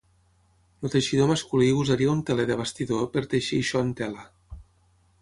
El teixidor masculí usaria un teler de bastidor per teixir això en tela.